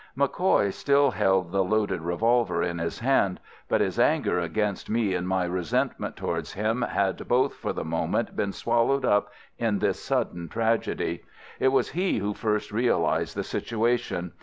MacCoy still held the loaded revolver in his hand, but his anger against me and my resentment towards him had both for the moment been swallowed up in this sudden tragedy. It was he who first realized the situation.